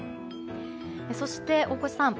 そして、大越さん